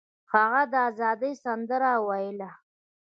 هغه د ازادۍ سندره ویله.